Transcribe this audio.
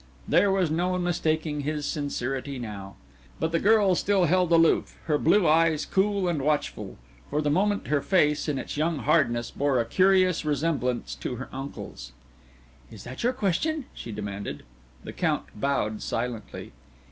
There was no mistaking his sincerity now. But the girl still held aloof, her blue eyes cool and watchful. For the moment, her face, in its young hardness, bore a curious resemblance to her uncle's. "Is that your question?" she demanded. The Count bowed silently.